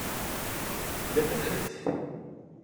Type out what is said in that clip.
Lemdemt!